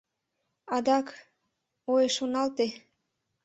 Адак... ой, шоналте